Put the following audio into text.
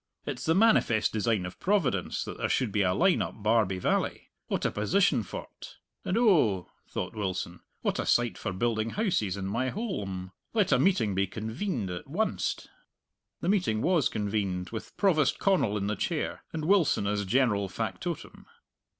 It's the manifest design of Providence that there should be a line up Barbie Valley! What a position for't! And, oh," thought Wilson, "what a site for building houses in my holm! Let a meeting be convened at wunst!" The meeting was convened, with Provost Connal in the chair and Wilson as general factotum.